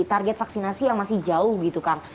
target vaksinasi yang masih jauh gitu kang